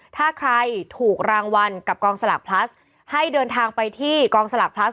ถ้าใครถูกรางวัลกับกองสลากพลัสให้เดินทางไปที่กองสลากพลัส